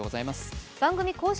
番組公式